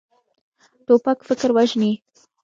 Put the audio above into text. توپک فکر وژني.